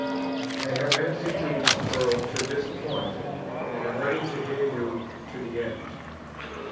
I have answered you, earl, to this point and am ready to hear you to the end."